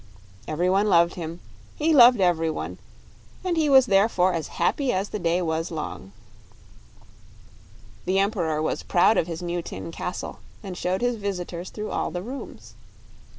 Every one loved him, he loved every one; and he was therefore as happy as the day was long. The Emperor was proud of his new tin castle, and showed his visitors through all the rooms.